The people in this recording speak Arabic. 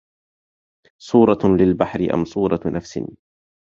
صورة للبحر أم صورة نفس